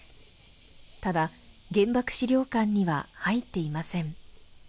ただ原爆資料館には入っていません